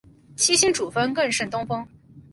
七星主峰更胜东峰